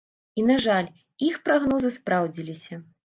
І, на жаль, іх прагнозы спраўдзіліся.